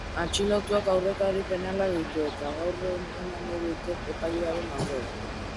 Atxilotuak aurrekari penalak ditu eta gaur eramango dute epailearen aurrera.